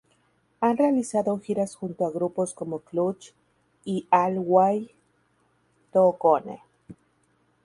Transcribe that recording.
Han realizado giras junto a grupos como Clutch y Halfway to Gone.